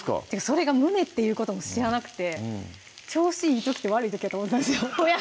それが胸っていうことも知らなくて調子いい時と悪い時やと思ってたんですよ